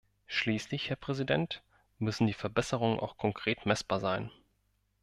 Schließlich, Herr Präsident, müssen die Verbesserungen auch konkret messbar sein.